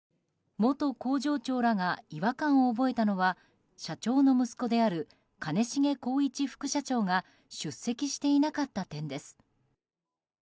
元工場長らが違和感を覚えたのは社長の息子である兼重宏一副社長が出席していなかった点です。